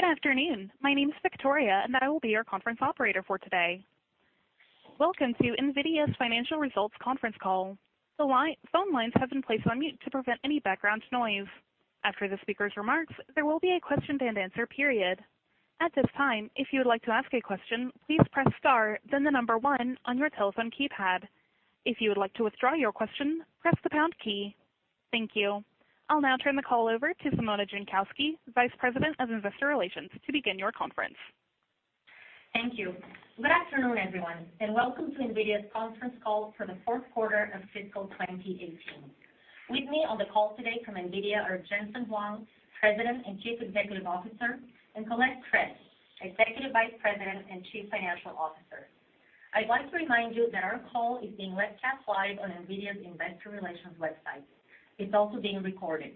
Good afternoon. My name is Victoria, and I will be your conference operator for today. Welcome to NVIDIA's Financial Results Conference Call. The phone lines have been placed on mute to prevent any background noise. After the speaker's remarks, there will be a question and answer period. At this time, if you would like to ask a question, please press star then the number one on your telephone keypad. If you would like to withdraw your question, press the pound key. Thank you. I'll now turn the call over to Simona Jankowski, Vice President of Investor Relations, to begin your conference. Thank you. Good afternoon, everyone, and welcome to NVIDIA's conference call for the fourth quarter of fiscal 2018. With me on the call today from NVIDIA are Jensen Huang, President and Chief Executive Officer, and Colette Kress, Executive Vice President and Chief Financial Officer. I'd like to remind you that our call is being webcast live on NVIDIA's investor relations website. It's also being recorded.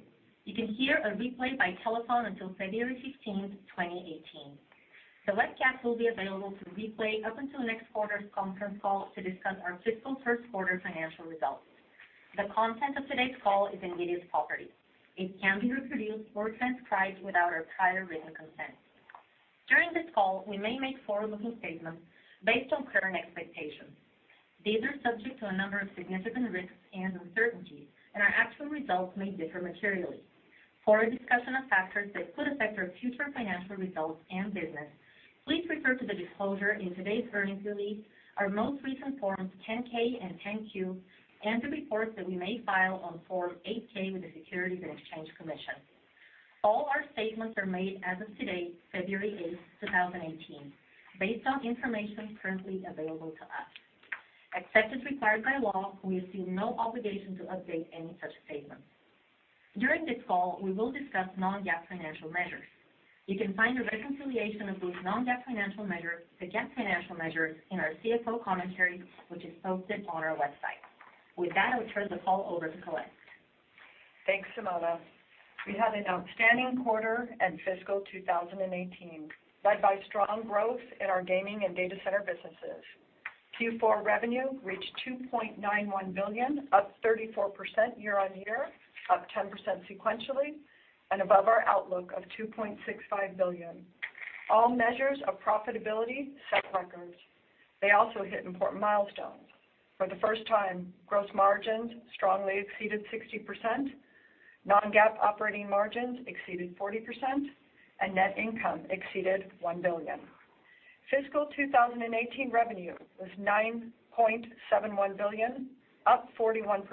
You can hear a replay by telephone until February 15th, 2018. The webcast will be available to replay up until next quarter's conference call to discuss our fiscal first quarter financial results. The content of today's call is NVIDIA's property. It can't be reproduced or transcribed without our prior written consent. During this call, we may make forward-looking statements based on current expectations. These are subject to a number of significant risks and uncertainties, and our actual results may differ materially. For a discussion of factors that could affect our future financial results and business, please refer to the disclosure in today's earnings release, our most recent Forms 10-K and 10-Q, and the reports that we may file on Form 8-K with the Securities and Exchange Commission. All our statements are made as of today, February 8th, 2018, based on information currently available to us. Except as required by law, we assume no obligation to update any such statements. During this call, we will discuss non-GAAP financial measures. You can find a reconciliation of those non-GAAP financial measures to GAAP financial measures in our CFO commentary, which is posted on our website. With that, I'll turn the call over to Colette. Thanks, Simona. We had an outstanding quarter and fiscal 2018, led by strong growth in our gaming and data center businesses. Q4 revenue reached $2.91 billion, up 34% year-on-year, up 10% sequentially, and above our outlook of $2.65 billion. All measures of profitability set records. They also hit important milestones. For the first time, gross margins strongly exceeded 60%, non-GAAP operating margins exceeded 40%, and net income exceeded $1 billion. Fiscal 2018 revenue was $9.71 billion, up 41%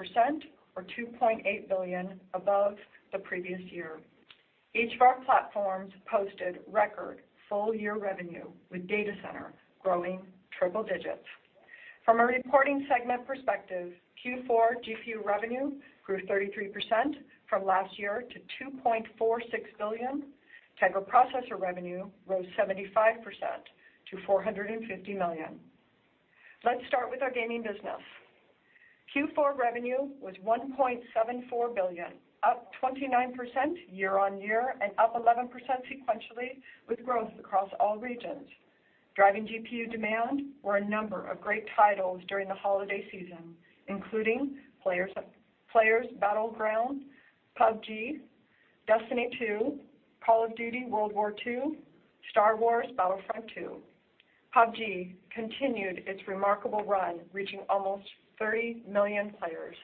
or $2.8 billion above the previous year. Each of our platforms posted record full-year revenue, with data center growing triple digits. From a reporting segment perspective, Q4 GPU revenue grew 33% from last year to $2.46 billion. Tegra processor revenue rose 75% to $450 million. Let's start with our gaming business. Q4 revenue was $1.74 billion, up 29% year-on-year and up 11% sequentially, with growth across all regions. Driving GPU demand were a number of great titles during the holiday season, including PlayerUnknown's Battlegrounds, PUBG, Destiny 2, Call of Duty: World War II, Star Wars Battlefront II. PUBG continued its remarkable run, reaching almost 30 million players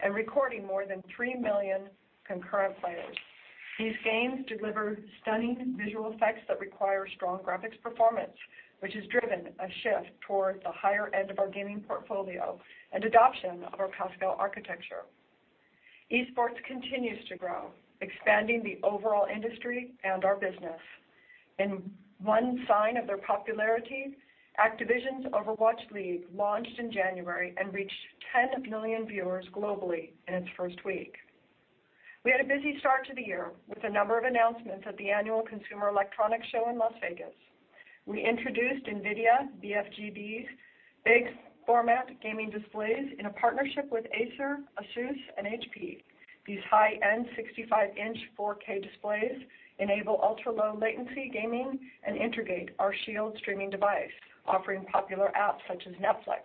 and recording more than 3 million concurrent players. These games deliver stunning visual effects that require strong graphics performance, which has driven a shift towards the higher end of our gaming portfolio and adoption of our Pascal architecture. Esports continues to grow, expanding the overall industry and our business. In one sign of their popularity, Activision's Overwatch League launched in January and reached 10 million viewers globally in its first week. We had a busy start to the year with a number of announcements at the annual Consumer Electronics Show in Las Vegas. We introduced NVIDIA BFGDs, Big Format Gaming Displays in a partnership with Acer, ASUS, and HP. These high-end 65-inch 4K displays enable ultra-low latency gaming and integrate our SHIELD streaming device, offering popular apps such as Netflix,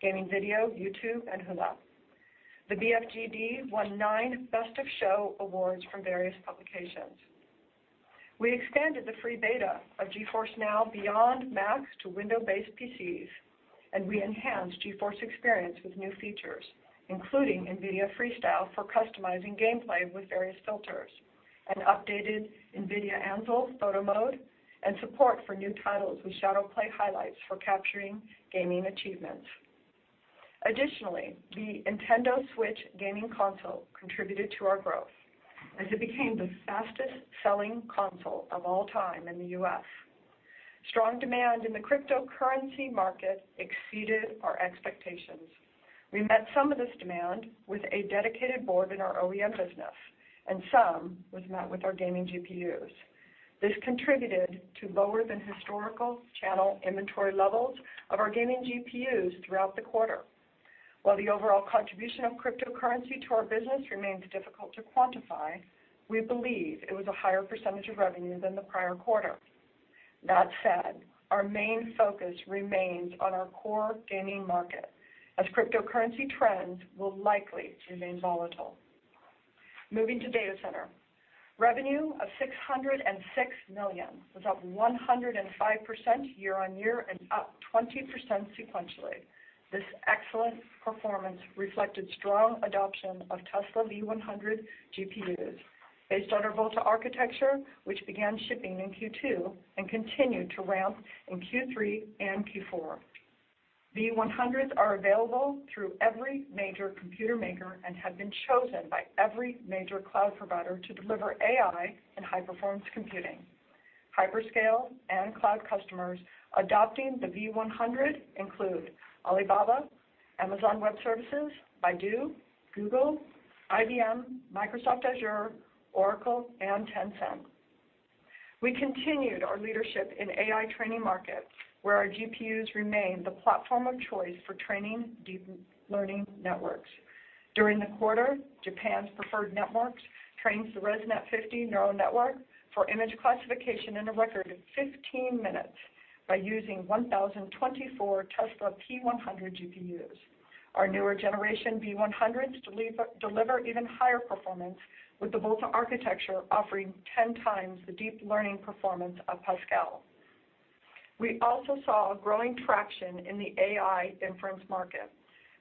gaming video, YouTube, and Hulu. The BFGD won nine Best of Show awards from various publications. We expanded the free beta of GeForce NOW beyond Mac to Windows-based PCs, and we enhanced GeForce Experience with new features, including NVIDIA Freestyle for customizing gameplay with various filters, an updated NVIDIA Ansel photo mode, and support for new titles with ShadowPlay Highlights for capturing gaming achievements. Additionally, the Nintendo Switch gaming console contributed to our growth as it became the fastest-selling console of all time in the U.S. Strong demand in the cryptocurrency market exceeded our expectations. We met some of this demand with a dedicated board in our OEM business, and some was met with our gaming GPUs. This contributed to lower than historical channel inventory levels of our gaming GPUs throughout the quarter. While the overall contribution of cryptocurrency to our business remains difficult to quantify, we believe it was a higher percentage of revenue than the prior quarter. That said, our main focus remains on our core gaming market, as cryptocurrency trends will likely remain volatile. Moving to data center. Revenue of $606 million was up 105% year-on-year and up 20% sequentially. This excellent performance reflected strong adoption of Tesla V100 GPUs based on our Volta architecture, which began shipping in Q2 and continued to ramp in Q3 and Q4. V100s are available through every major computer maker and have been chosen by every major cloud provider to deliver AI and high-performance computing. Hyperscale and cloud customers adopting the V100 include Alibaba, Amazon Web Services, Baidu, Google, IBM, Microsoft Azure, Oracle, and Tencent. We continued our leadership in AI training markets, where our GPUs remain the platform of choice for training deep learning networks. During the quarter, Japan's Preferred Networks trains the ResNet-50 neural network for image classification in a record 15 minutes by using 1,024 Tesla P100 GPUs. Our newer generation V100s deliver even higher performance, with the Volta architecture offering 10 times the deep learning performance of Pascal. We also saw a growing traction in the AI inference market,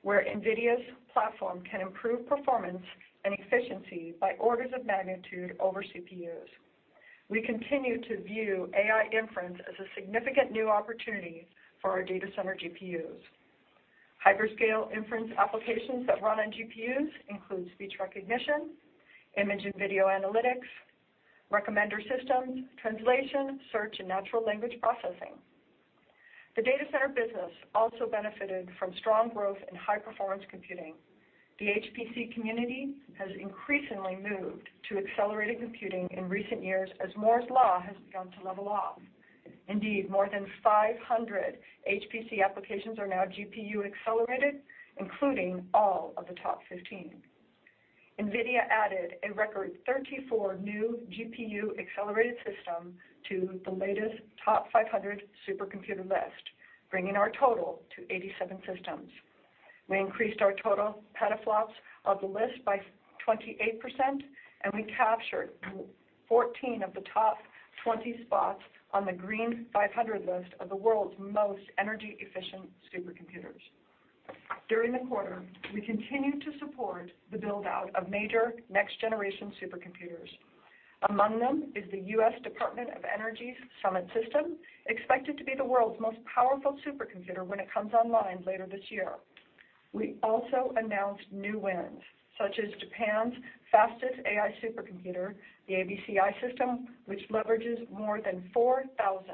where NVIDIA's platform can improve performance and efficiency by orders of magnitude over CPUs. We continue to view AI inference as a significant new opportunity for our data center GPUs. Hyperscale inference applications that run on GPUs include speech recognition, image and video analytics, recommender systems, translation, search, and natural language processing. The data center business also benefited from strong growth in high-performance computing. The HPC community has increasingly moved to accelerated computing in recent years as Moore's Law has begun to level off. Indeed, more than 500 HPC applications are now GPU-accelerated, including all of the top 15. NVIDIA added a record 34 new GPU-accelerated system to the latest TOP500 supercomputer list, bringing our total to 87 systems. We increased our total petaflops of the list by 28%, and we captured 14 of the top 20 spots on the Green500 list of the world's most energy-efficient supercomputers. During the quarter, we continued to support the build-out of major next-generation supercomputers. Among them is the US Department of Energy's Summit system, expected to be the world's most powerful supercomputer when it comes online later this year. We also announced new wins, such as Japan's fastest AI supercomputer, the ABCI system, which leverages more than 4,000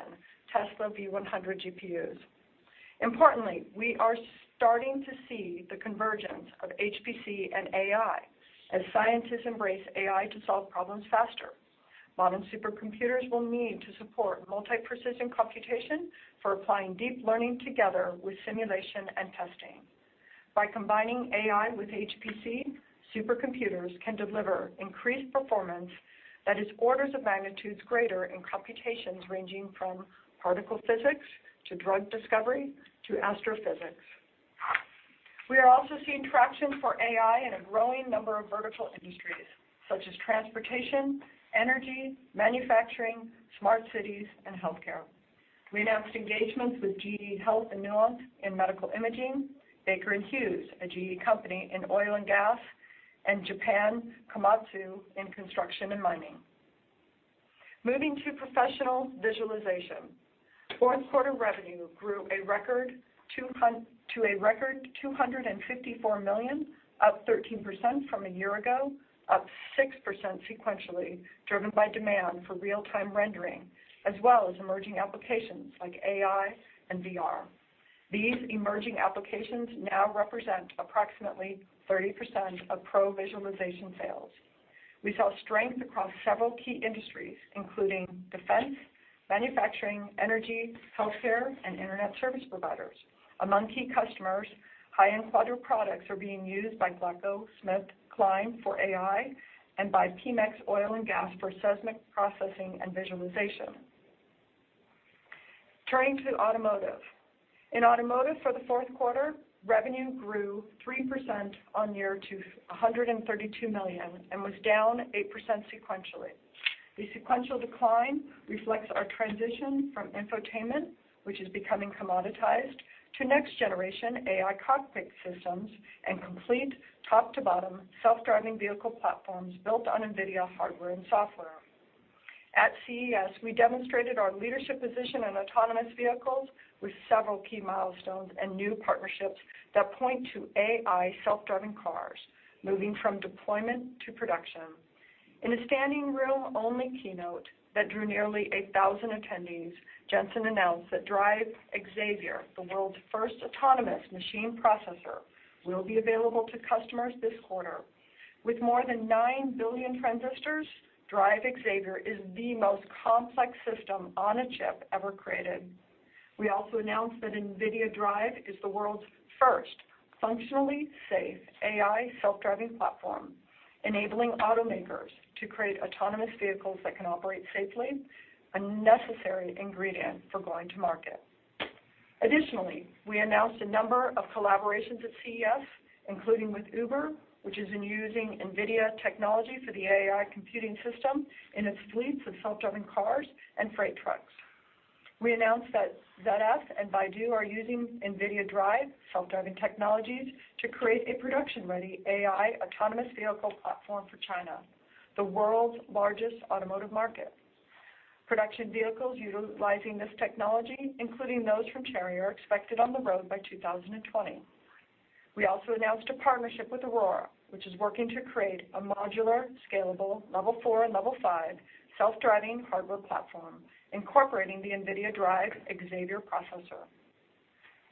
Tesla V100 GPUs. Importantly, we are starting to see the convergence of HPC and AI as scientists embrace AI to solve problems faster. Modern supercomputers will need to support multi-precision computation for applying deep learning together with simulation and testing. By combining AI with HPC, supercomputers can deliver increased performance that is orders of magnitudes greater in computations ranging from particle physics to drug discovery to astrophysics. We are also seeing traction for AI in a growing number of vertical industries, such as transportation, energy, manufacturing, smart cities, and healthcare. We announced engagements with GE Healthcare and Nuance in medical imaging, Baker Hughes, a GE company, in oil and gas, and Japan's Komatsu in construction and mining. Moving to Professional Visualization. Fourth quarter revenue grew to a record $254 million, up 13% from a year ago, up 6% sequentially, driven by demand for real-time rendering as well as emerging applications like AI and VR. These emerging applications now represent approximately 30% of Pro Visualization sales. We saw strength across several key industries including defense, manufacturing, energy, healthcare, and internet service providers. Among key customers, high-end Quadro products are being used by GlaxoSmithKline for AI and by Pemex Oil and Gas for seismic processing and visualization. Turning to automotive. In automotive for the fourth quarter, revenue grew 3% on year to $132 million and was down 8% sequentially. The sequential decline reflects our transition from infotainment, which is becoming commoditized, to next-generation AI cockpit systems and complete top-to-bottom self-driving vehicle platforms built on NVIDIA hardware and software. At CES, we demonstrated our leadership position in autonomous vehicles with several key milestones and new partnerships that point to AI self-driving cars moving from deployment to production. In a standing-room only keynote that drew nearly 8,000 attendees, Jensen announced that DRIVE Xavier, the world's first autonomous machine processor, will be available to customers this quarter. With more than 9 billion transistors, DRIVE Xavier is the most complex system on a chip ever created. We also announced that NVIDIA DRIVE is the world's first functionally safe AI self-driving platform, enabling automakers to create autonomous vehicles that can operate safely, a necessary ingredient for going to market. Additionally, we announced a number of collaborations at CES, including with Uber, which has been using NVIDIA technology for the AI computing system in its fleets of self-driving cars and freight trucks. We announced that ZF and Baidu are using NVIDIA DRIVE self-driving technologies to create a production-ready AI autonomous vehicle platform for China, the world's largest automotive market. Production vehicles utilizing this technology, including those from Chery, are expected on the road by 2020. We also announced a partnership with Aurora, which is working to create a modular, scalable, level 4 and level 5 self-driving hardware platform incorporating the NVIDIA DRIVE Xavier processor.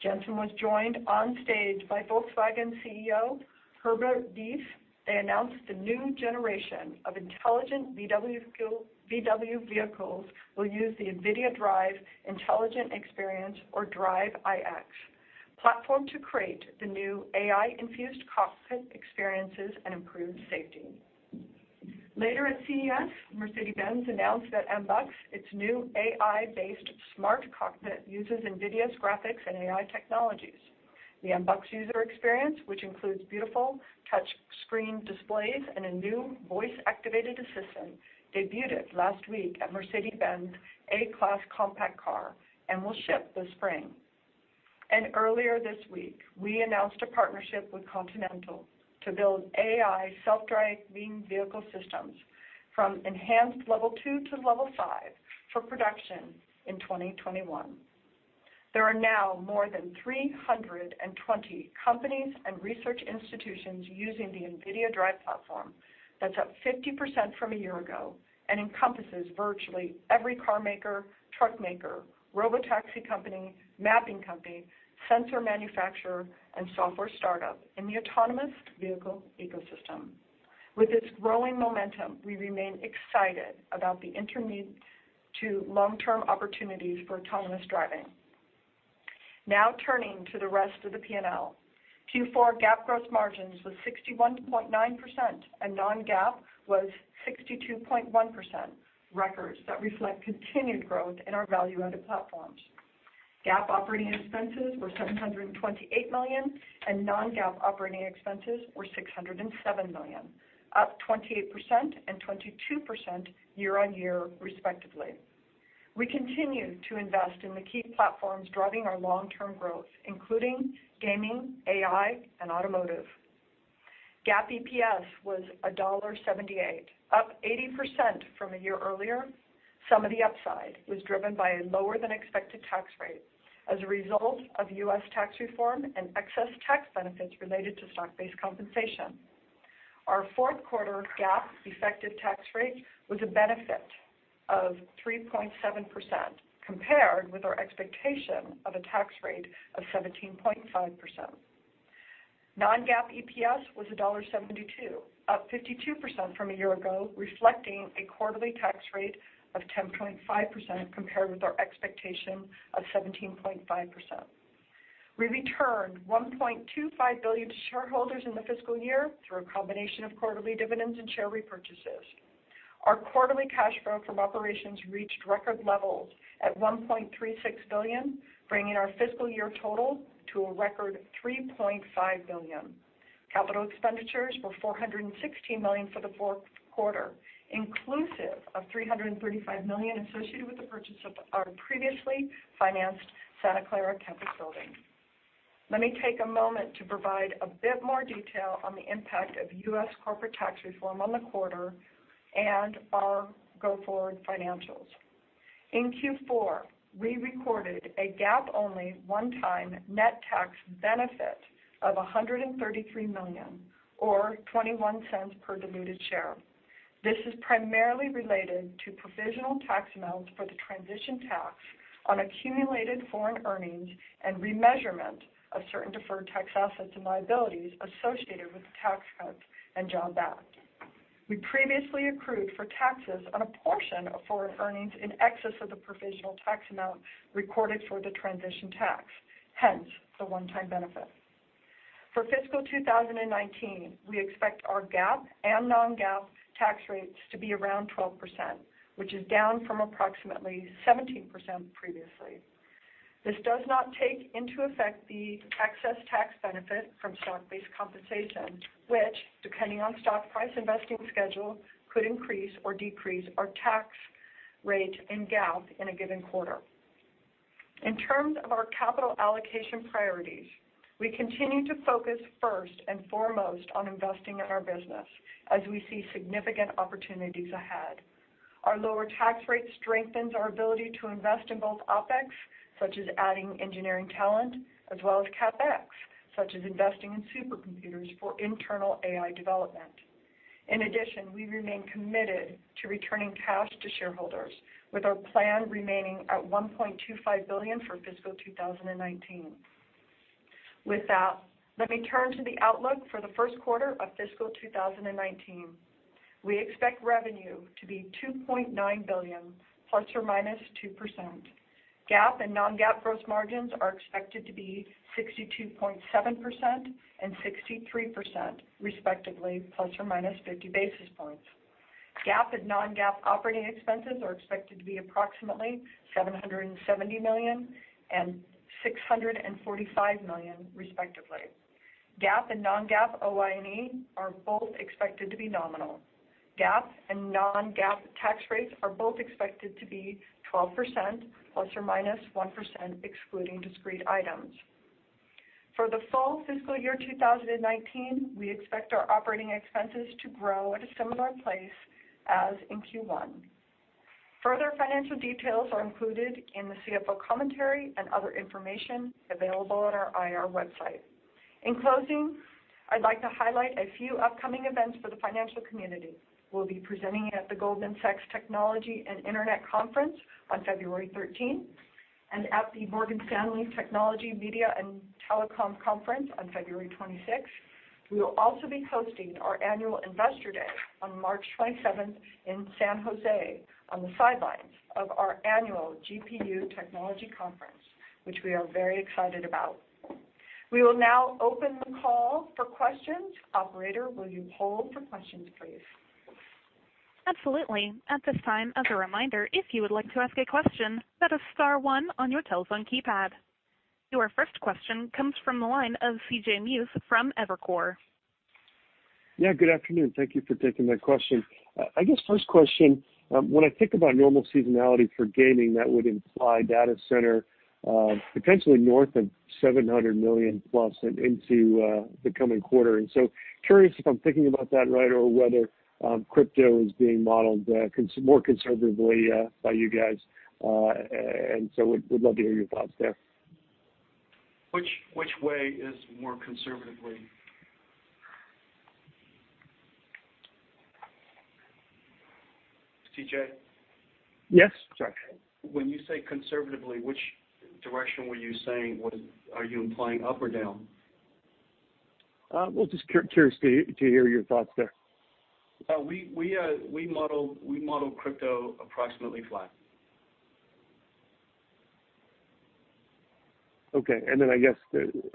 Jensen was joined on stage by Volkswagen CEO Herbert Diess. They announced the new generation of intelligent VW vehicles will use the NVIDIA DRIVE intelligent experience or DRIVE IX platform to create the new AI-infused cockpit experiences and improved safety. Later at CES, Mercedes-Benz announced that MBUX, its new AI-based smart cockpit, uses NVIDIA's graphics and AI technologies. The MBUX user experience, which includes beautiful touch screen displays and a new voice-activated assistant, debuted last week at Mercedes-Benz's A-Class compact car and will ship this spring. Earlier this week, we announced a partnership with Continental to build AI self-driving vehicle systems from enhanced level 2 to level 5 for production in 2021. There are now more than 320 companies and research institutions using the NVIDIA DRIVE platform. That's up 50% from a year ago and encompasses virtually every car maker, truck maker, robotaxi company, mapping company, sensor manufacturer, and software startup in the autonomous vehicle ecosystem. With this growing momentum, we remain excited about the intermediate to long-term opportunities for autonomous driving. Now turning to the rest of the P&L. Q4 GAAP gross margins was 61.9%, and non-GAAP was 62.1%, records that reflect continued growth in our value-added platforms. GAAP operating expenses were $728 million, and non-GAAP operating expenses were $607 million, up 28% and 22% year-on-year, respectively. We continue to invest in the key platforms driving our long-term growth, including gaming, AI, and automotive. GAAP EPS was $1.78, up 80% from a year earlier. Some of the upside was driven by a lower-than-expected tax rate as a result of U.S. tax reform and excess tax benefits related to stock-based compensation. Our fourth quarter GAAP effective tax rate was a benefit of 3.7% compared with our expectation of a tax rate of 17.5%. Non-GAAP EPS was $1.72, up 52% from a year ago, reflecting a quarterly tax rate of 10.5% compared with our expectation of 17.5%. We returned $1.25 billion to shareholders in the fiscal year through a combination of quarterly dividends and share repurchases. Our quarterly cash flow from operations reached record levels at $1.36 billion, bringing our fiscal year total to a record $3.5 billion. Capital expenditures were $416 million for the fourth quarter, inclusive of $335 million associated with the purchase of our previously financed Santa Clara campus building. Let me take a moment to provide a bit more detail on the impact of U.S. corporate tax reform on the quarter and our go-forward financials. In Q4, we recorded a GAAP-only one-time net tax benefit of $133 million or $0.21 per diluted share. This is primarily related to provisional tax amounts for the transition tax on accumulated foreign earnings and remeasurement of certain deferred tax assets and liabilities associated with the Tax Cuts and Jobs Act. We previously accrued for taxes on a portion of foreign earnings in excess of the provisional tax amount recorded for the transition tax, hence the one-time benefit. For fiscal 2019, we expect our GAAP and non-GAAP tax rates to be around 12%, which is down from approximately 17% previously. This does not take into effect the excess tax benefit from stock-based compensation, which, depending on stock price investing schedule, could increase or decrease our tax rate in GAAP in a given quarter. In terms of our capital allocation priorities, we continue to focus first and foremost on investing in our business as we see significant opportunities ahead. Our lower tax rate strengthens our ability to invest in both OpEx, such as adding engineering talent, as well as CapEx, such as investing in supercomputers for internal AI development. We remain committed to returning cash to shareholders, with our plan remaining at $1.25 billion for fiscal 2019. Let me turn to the outlook for the first quarter of fiscal 2019. We expect revenue to be $2.9 billion ±2%. GAAP and non-GAAP gross margins are expected to be 62.7% and 63%, respectively, ±50 basis points. GAAP and non-GAAP operating expenses are expected to be approximately $770 million and $645 million, respectively. GAAP and non-GAAP OI&E are both expected to be nominal. GAAP and non-GAAP tax rates are both expected to be 12% ±1%, excluding discrete items. For the full fiscal year 2019, we expect our operating expenses to grow at a similar place as in Q1. Further financial details are included in the CFO commentary and other information available on our IR website. I'd like to highlight a few upcoming events for the financial community. We'll be presenting at the Goldman Sachs Technology and Internet Conference on February 13th, and at the Morgan Stanley Technology, Media & Telecom Conference on February 26th. We will also be hosting our annual Investor Day on March 27th in San Jose on the sidelines of our annual GPU Technology Conference, which we are very excited about. We will now open the call for questions. Operator, will you poll for questions, please? Absolutely. At this time, as a reminder, if you would like to ask a question, press star one on your telephone keypad. Your first question comes from the line of CJ Muse from Evercore. Yeah, good afternoon. Thank you for taking my question. I guess first question, when I think about normal seasonality for gaming, that would imply data center potentially north of $700 million-plus into the coming quarter. Curious if I'm thinking about that right or whether crypto is being modeled more conservatively by you guys. Would love to hear your thoughts there. Which way is more conservatively? CJ? Yes. Sorry. When you say conservatively, which direction were you saying? Are you implying up or down? Well, just curious to hear your thoughts there. We model crypto approximately flat. Okay. Then I guess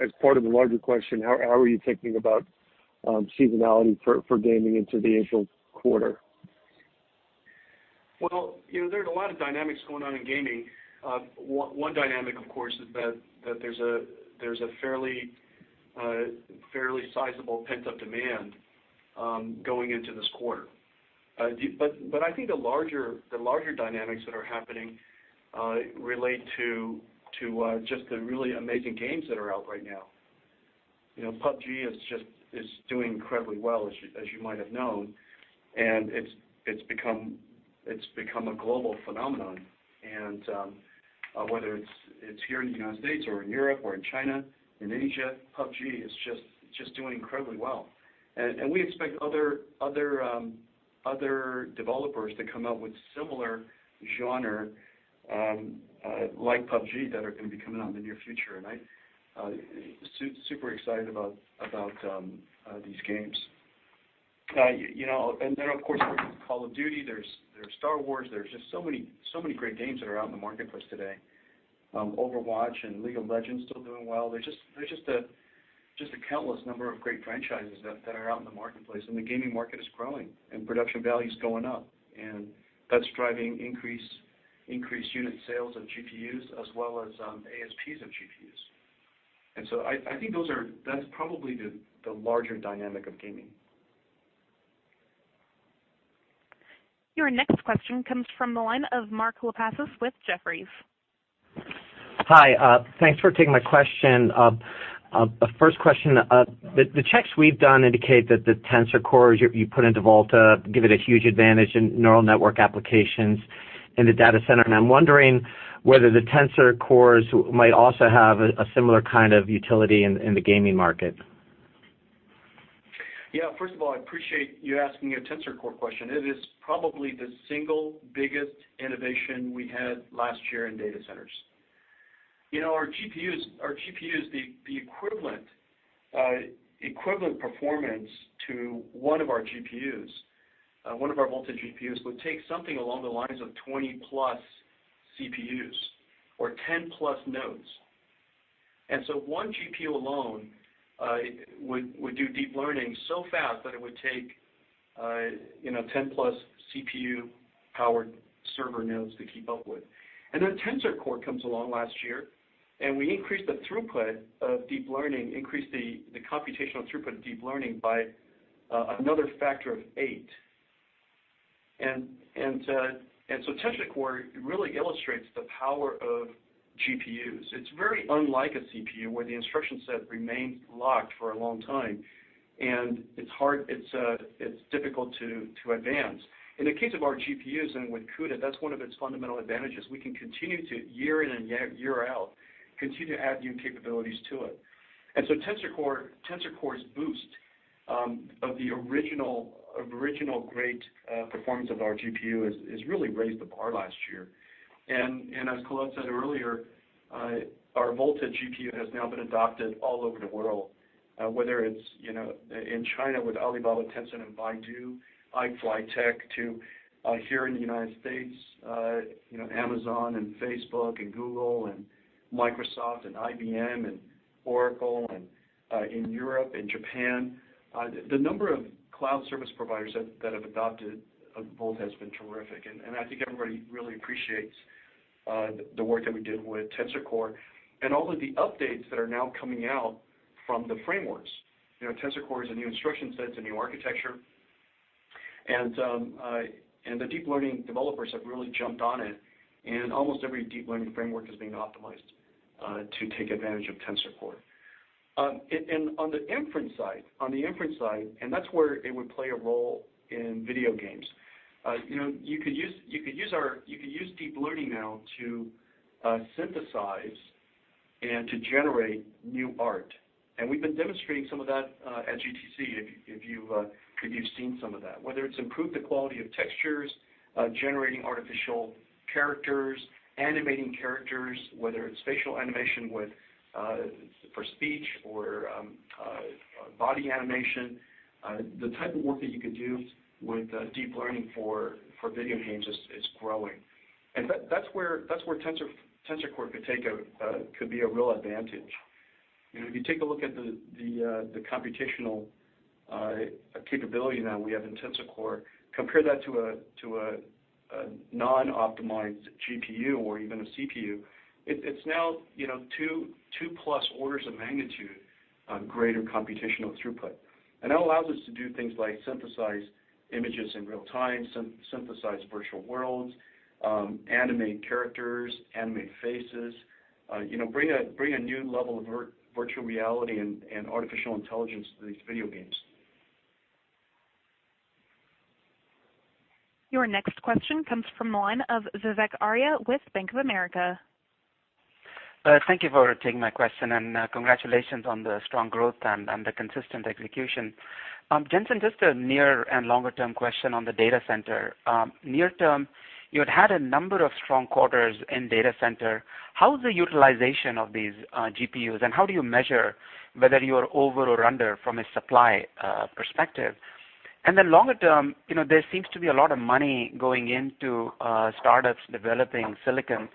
as part of the larger question, how are you thinking about seasonality for gaming into the April quarter? Well, there's a lot of dynamics going on in gaming. One dynamic, of course, is that there's a fairly sizable pent-up demand going into this quarter. I think the larger dynamics that are happening relate to just the really amazing games that are out right now. PUBG is doing incredibly well, as you might have known, and it's become a global phenomenon. Whether it's here in the U.S. or in Europe or in China, in Asia, PUBG is just doing incredibly well. We expect other developers to come out with similar genre like PUBG that are going to be coming out in the near future. I'm super excited about these games. Then, of course, there's Call of Duty, there's Star Wars, there's just so many great games that are out in the marketplace today. Overwatch and League of Legends still doing well. There's just a countless number of great franchises that are out in the marketplace, the gaming market is growing production value is going up, that's driving increased unit sales of GPUs as well as ASPs of GPUs. I think that's probably the larger dynamic of gaming. Your next question comes from the line of Mark Lipacis with Jefferies. Hi. Thanks for taking my question. First question, the checks we've done indicate that the Tensor Cores you put into Volta give it a huge advantage in neural network applications in the data center. I'm wondering whether the Tensor Cores might also have a similar kind of utility in the gaming market. Yeah. First of all, I appreciate you asking a Tensor Core question. It is probably the single biggest innovation we had last year in data centers. Our GPUs, the equivalent performance to one of our GPUs, one of our Volta GPUs, would take something along the lines of 20-plus CPUs or 10-plus nodes. One GPU alone would do deep learning so fast that it would take 10-plus CPU-powered server nodes to keep up with. Then Tensor Core comes along last year. We increased the throughput of deep learning, increased the computational throughput of deep learning by another factor of eight. Tensor Core really illustrates the power of GPUs. It's very unlike a CPU where the instruction set remains locked for a long time, and it's difficult to advance. In the case of our GPUs and with CUDA, that's one of its fundamental advantages. We can continue to, year in and year out, continue to add new capabilities to it. Tensor Cores boost the original great performance of our GPU has really raised the bar last year. As Colette said earlier, our Volta GPU has now been adopted all over the world, whether it's in China with Alibaba, Tencent, and Baidu, iFLYTEK, to here in the United States, Amazon and Facebook and Google and Microsoft and IBM and Oracle, and in Europe and Japan. The number of cloud service providers that have adopted Volta has been terrific, and I think everybody really appreciates the work that we did with Tensor Core and all of the updates that are now coming out from the frameworks. Tensor Core is a new instruction set, it's a new architecture, and the deep learning developers have really jumped on it, and almost every deep learning framework is being optimized to take advantage of Tensor Core. On the inference side, that's where it would play a role in video games. You could use deep learning now to synthesize and to generate new art. We've been demonstrating some of that at GTC, if you've seen some of that. Whether it's improve the quality of textures, generating artificial characters, animating characters, whether it's facial animation for speech or body animation, the type of work that you could do with deep learning for video games is growing. That's where Tensor Core could be a real advantage. If you take a look at the computational capability now we have in Tensor Core, compare that to a non-optimized GPU or even a CPU, it's now two-plus orders of magnitude greater computational throughput. That allows us to do things like synthesize images in real time, synthesize virtual worlds, animate characters, animate faces, bring a new level of virtual reality and artificial intelligence to these video games. Your next question comes from the line of Vivek Arya with Bank of America. Thank you for taking my question, and congratulations on the strong growth and the consistent execution. Jensen, just a near and longer term question on the data center. Near term, you had had a number of strong quarters in data center. How's the utilization of these GPUs, and how do you measure whether you're over or under from a supply perspective? Then longer term, there seems to be a lot of money going into startups developing silicon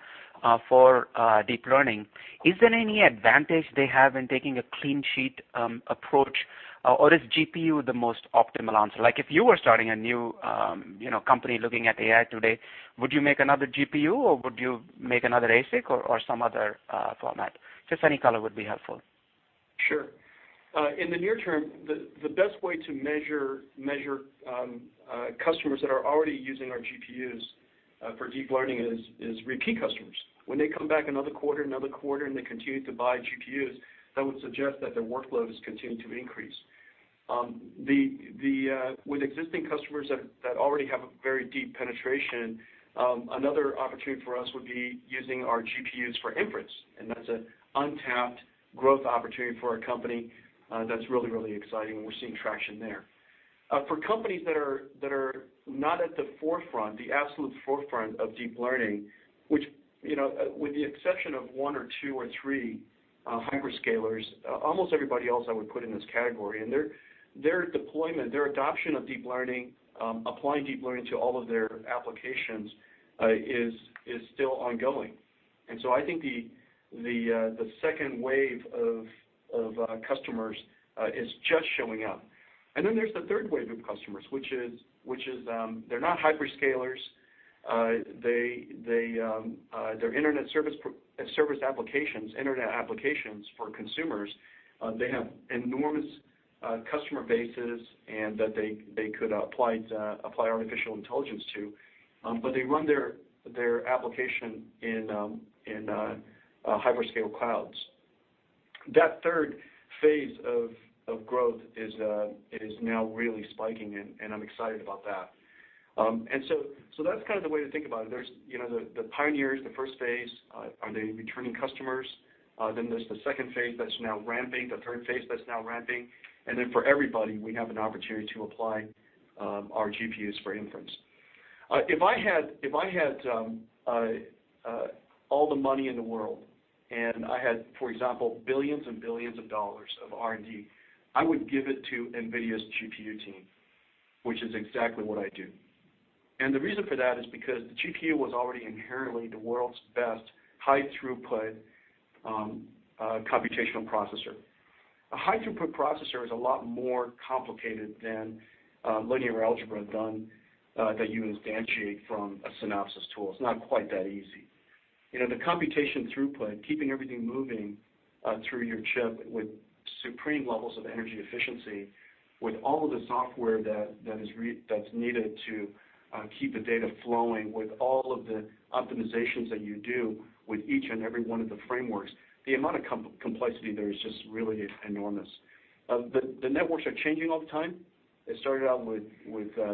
for deep learning. Is there any advantage they have in taking a clean sheet approach, or is GPU the most optimal answer? If you were starting a new company looking at AI today, would you make another GPU, or would you make another ASIC or some other format? Just any color would be helpful. Sure. In the near term, the best way to measure customers that are already using our GPUs for deep learning is repeat customers. When they come back another quarter, another quarter, and they continue to buy GPUs, that would suggest that their workload has continued to increase. With existing customers that already have a very deep penetration, another opportunity for us would be using our GPUs for inference, and that's an untapped growth opportunity for our company that's really, really exciting, and we're seeing traction there. For companies that are not at the forefront, the absolute forefront of deep learning, which with the exception of one or two or three hyperscalers, almost everybody else I would put in this category. Their deployment, their adoption of deep learning, applying deep learning to all of their applications is still ongoing. I think the second wave of customers is just showing up. There's the third wave of customers, which is they're not hyperscalers. They're internet service applications, internet applications for consumers. They have enormous customer bases that they could apply artificial intelligence to, but they run their application in hyperscale clouds. That third phase of growth is now really spiking, and I'm excited about that. That's kind of the way to think about it. There's the pioneers, the first phase. Are they returning customers? There's the second phase that's now ramping, the third phase that's now ramping. For everybody, we have an opportunity to apply our GPUs for inference. If I had all the money in the world and I had, for example, billions and billions of dollars of R&D, I would give it to NVIDIA's GPU team, which is exactly what I do. The reason for that is because the GPU was already inherently the world's best high throughput computational processor. A high throughput processor is a lot more complicated than linear algebra done that you instantiate from a Synopsys tool. It's not quite that easy. The computation throughput, keeping everything moving through your chip with supreme levels of energy efficiency, with all of the software that's needed to keep the data flowing, with all of the optimizations that you do with each and every one of the frameworks, the amount of complexity there is just really enormous. The networks are changing all the time. It started out with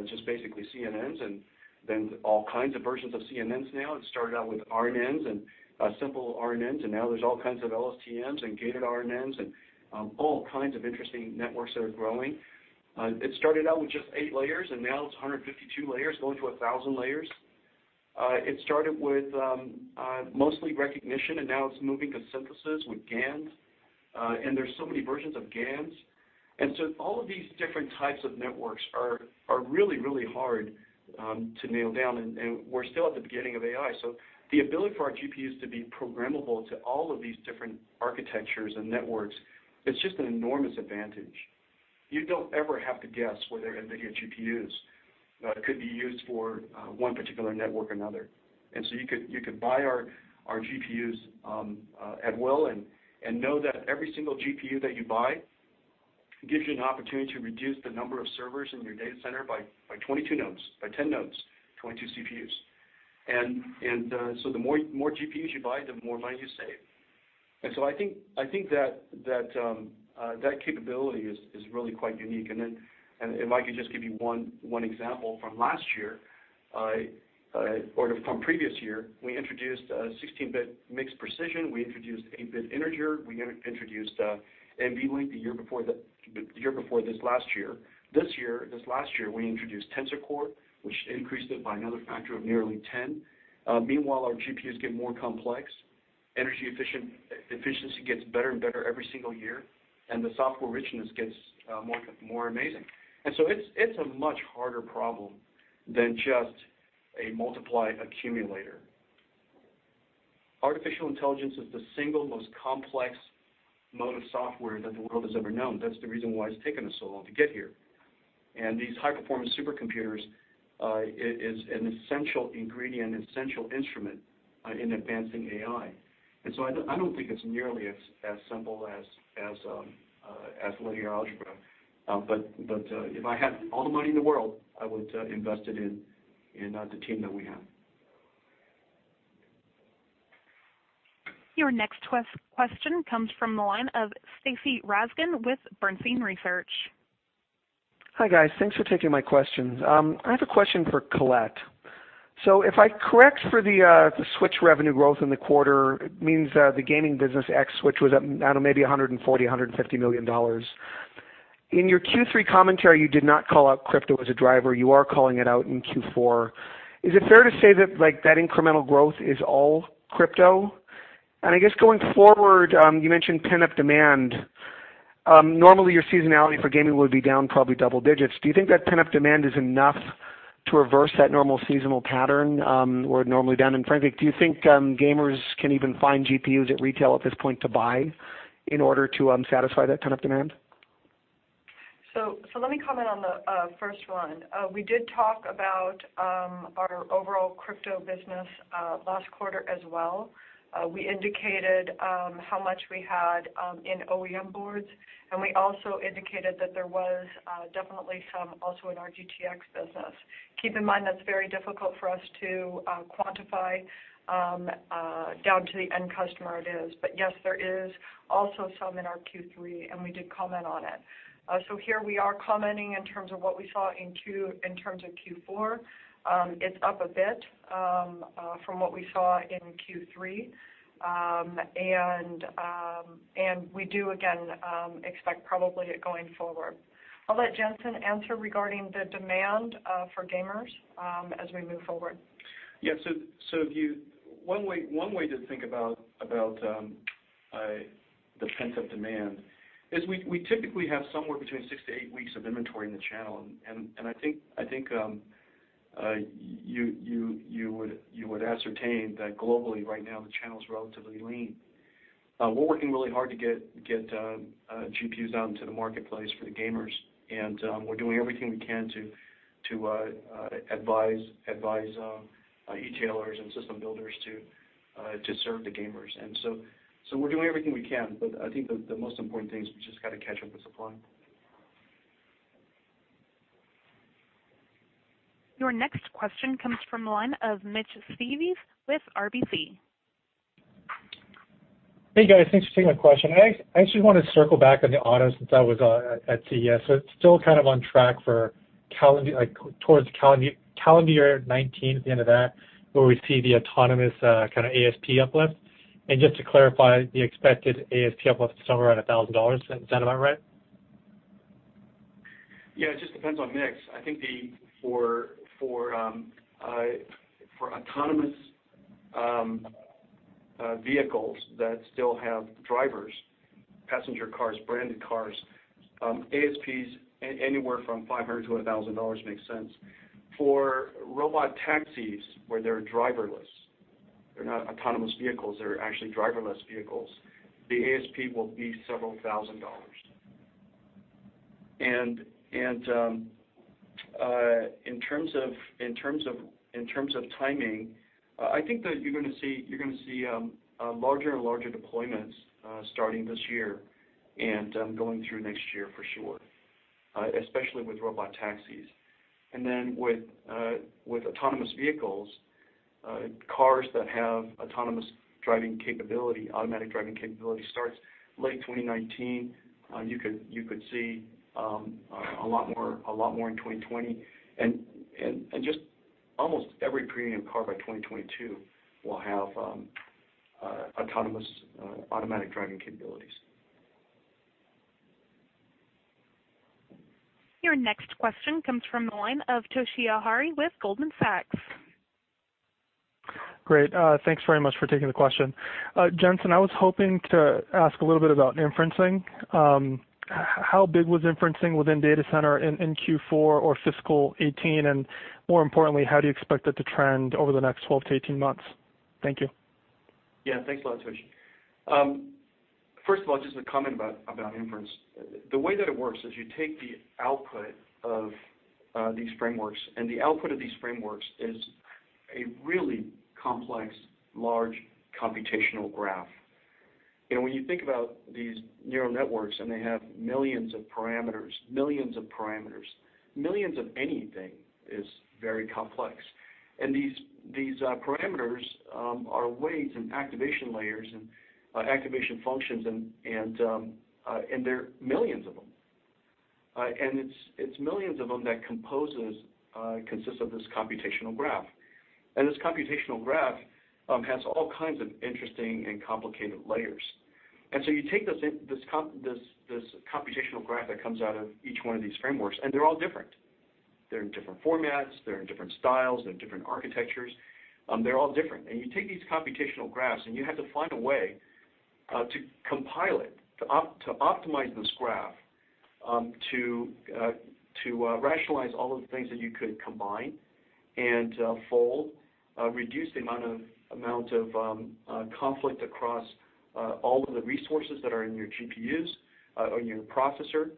just basically CNNs and then all kinds of versions of CNNs now. It started out with RNNs and simple RNNs, and now there's all kinds of LSTMs and gated RNNs and all kinds of interesting networks that are growing. It started out with just eight layers, and now it's 152 layers going to 1,000 layers. It started with mostly recognition, and now it's moving to synthesis with GANs, and there's so many versions of GANs. All of these different types of networks are really hard to nail down, and we're still at the beginning of AI. The ability for our GPUs to be programmable to all of these different architectures and networks, it's just an enormous advantage. You don't ever have to guess whether NVIDIA GPUs could be used for one particular network or another. You could buy our GPUs at will and know that every single GPU that you buy gives you an opportunity to reduce the number of servers in your data center by 22 nodes, by 10 nodes, 22 CPUs. The more GPUs you buy, the more money you save. I think that capability is really quite unique. Then if I could just give you one example from last year, or from previous year, we introduced 16-bit mixed precision. We introduced 8-bit integer. We introduced NVLink the year before this last year. This last year, we introduced Tensor Core, which increased it by another factor of nearly 10. Meanwhile, our GPUs get more complex, energy efficiency gets better and better every single year, and the software richness gets more amazing. It's a much harder problem than just a multiply accumulator. Artificial intelligence is the single most complex mode of software that the world has ever known. That's the reason why it's taken us so long to get here. These high-performance supercomputers, is an essential ingredient, an essential instrument in advancing AI. I don't think it's nearly as simple as linear algebra. But if I had all the money in the world, I would invest it in the team that we have. Your next question comes from the line of Stacy Rasgon with Bernstein Research. Hi, guys. Thanks for taking my questions. I have a question for Colette. If I correct for the switch revenue growth in the quarter, it means the gaming business ex switch was up maybe $140 million-$150 million. In your Q3 commentary, you did not call out crypto as a driver. You are calling it out in Q4. Is it fair to say that incremental growth is all crypto? I guess going forward, you mentioned pent-up demand. Normally, your seasonality for gaming would be down probably double digits. Do you think that pent-up demand is enough to reverse that normal seasonal pattern, or normally down in frankly, do you think gamers can even find GPUs at retail at this point to buy in order to satisfy that pent-up demand? Let me comment on the first one. We did talk about our overall crypto business last quarter as well. We indicated how much we had in OEM boards, and we also indicated that there was definitely some also in our GTX business. Keep in mind, that's very difficult for us to quantify down to the end customer it is. Yes, there is also some in our Q3, and we did comment on it. Here we are commenting in terms of what we saw in terms of Q4. It's up a bit from what we saw in Q3, and we do again expect probably it going forward. I'll let Jensen answer regarding the demand for gamers as we move forward. Yeah. One way to think about the pent-up demand is we typically have somewhere between six to eight weeks of inventory in the channel, and I think you would ascertain that globally right now the channel's relatively lean. We're working really hard to get GPUs out into the marketplace for the gamers, and we're doing everything we can to advise e-tailers and system builders to serve the gamers. We're doing everything we can, but I think the most important thing is we just got to catch up with supply. Your next question comes from the line of Mitch Steves with RBC. Hey, guys, thanks for taking my question. I actually want to circle back on the auto since I was at CES. It's still kind of on track towards calendar year 2019 at the end of that, where we see the autonomous kind of ASP uplift. Just to clarify the expected ASP uplift of somewhere around $1,000, is that about right? Yeah, it just depends on mix. I think for autonomous vehicles that still have drivers, passenger cars, branded cars, ASPs anywhere from $500-$1,000 makes sense. For robotaxis, where they're driverless, they're not autonomous vehicles, they're actually driverless vehicles, the ASP will be several thousand dollars. In terms of timing, I think that you're going to see larger and larger deployments starting this year and going through next year for sure, especially with robotaxis. Then with autonomous vehicles Cars that have autonomous driving capability, automatic driving capability, starts late 2019. You could see a lot more in 2020. Just almost every premium car by 2022 will have autonomous automatic driving capabilities. Your next question comes from the line of Toshiya Hari with Goldman Sachs. Great. Thanks very much for taking the question. Jensen, I was hoping to ask a little bit about inferencing. How big was inferencing within data center in Q4 or fiscal 2018, and more importantly, how do you expect it to trend over the next 12 to 18 months? Thank you. Yeah. Thanks a lot, Toshi. First of all, just a comment about inference. The way that it works is you take the output of these frameworks, the output of these frameworks is a really complex, large computational graph. When you think about these neural networks, they have millions of parameters, millions of anything is very complex. These parameters are weights and activation layers and activation functions, and there are millions of them. It's millions of them that composes, consists of this computational graph. This computational graph has all kinds of interesting and complicated layers. So you take this computational graph that comes out of each one of these frameworks, they're all different. They're in different formats. They're in different styles. They're in different architectures. They're all different. You take these computational graphs, you have to find a way to compile it, to optimize this graph to rationalize all of the things that you could combine and fold, reduce the amount of conflict across all of the resources that are in your GPUs or your processor.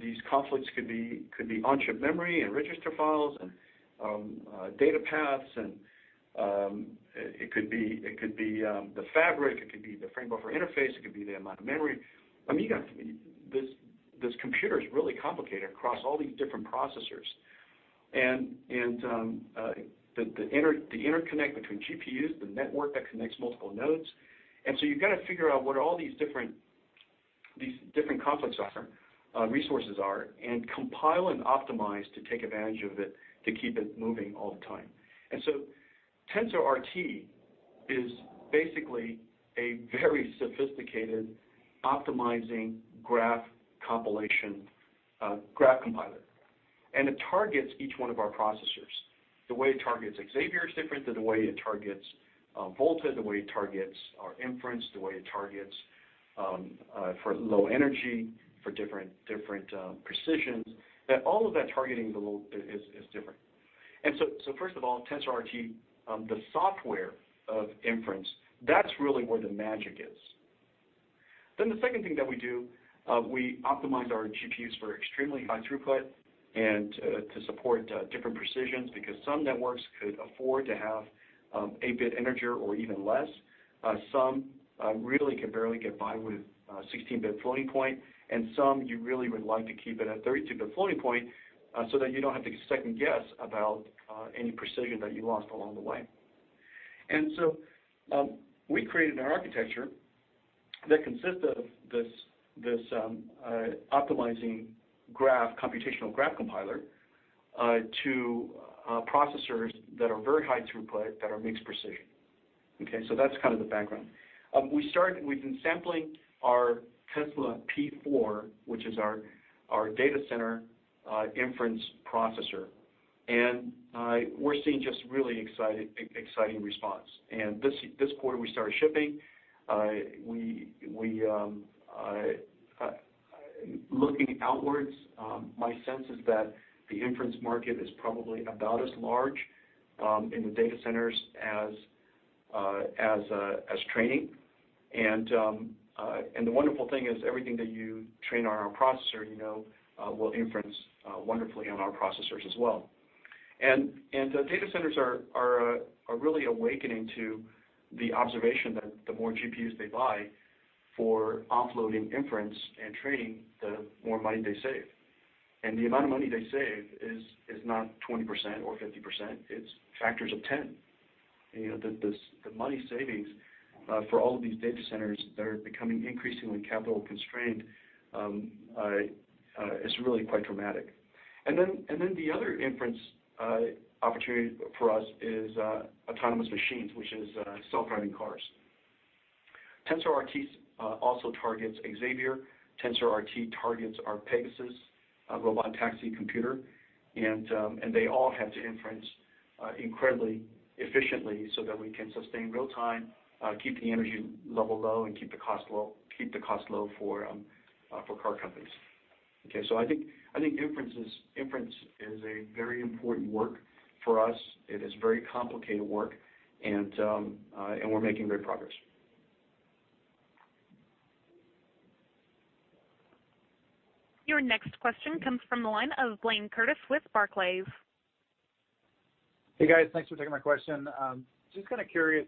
These conflicts could be on-chip memory and register files and data paths. It could be the fabric. It could be the frame buffer interface. It could be the amount of memory. This computer is really complicated across all these different processors. The interconnect between GPUs, the network that connects multiple nodes. You've got to figure out what all these different conflicts are, resources are, and compile and optimize to take advantage of it to keep it moving all the time. TensorRT is basically a very sophisticated optimizing graph compilation, graph compiler, and it targets each one of our processors. The way it targets Xavier is different than the way it targets Volta, the way it targets our inference, the way it targets for low energy, for different precisions. All of that targeting is different. First of all, TensorRT, the software of inference, that's really where the magic is. The second thing that we do, we optimize our GPUs for extremely high throughput and to support different precisions, because some networks could afford to have 8-bit integer or even less. Some really can barely get by with 16-bit floating point, and some you really would like to keep it at 32-bit floating point so that you don't have to second-guess about any precision that you lost along the way. We created an architecture that consists of this optimizing computational graph compiler to processors that are very high throughput, that are mixed precision. Okay, that's kind of the background. We've been sampling our Tesla P4, which is our data center inference processor. We're seeing just really exciting response. This quarter, we started shipping. Looking outwards, my sense is that the inference market is probably about as large in the data centers as training. The wonderful thing is everything that you train on our processor will inference wonderfully on our processors as well. Data centers are really awakening to the observation that the more GPUs they buy for offloading inference and training, the more money they save. The amount of money they save is not 20% or 50%, it's factors of 10. The money savings for all of these data centers that are becoming increasingly capital constrained is really quite dramatic. The other inference opportunity for us is autonomous machines, which is self-driving cars. TensorRT also targets Xavier. TensorRT targets our Pegasus robot taxi computer. They all have to inference incredibly efficiently so that we can sustain real-time, keep the energy level low, and keep the cost low for car companies. Okay, I think inference is a very important work for us. It is very complicated work, we're making great progress. Your next question comes from the line of Blayne Curtis with Barclays. Hey, guys. Thanks for taking my question. Just kind of curious,